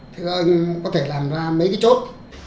thì anh có thể làm ra mấy cái chốt